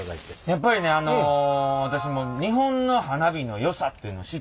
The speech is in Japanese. やっぱりねあの私日本の花火のよさっていうのを知ったんでね。